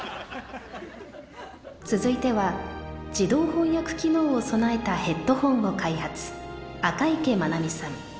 ・続いては自動翻訳機能を備えたヘッドホンを開発赤池真奈美さん。